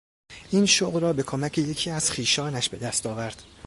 این شغل را به کمک یکی از خویشانش به دست آورد.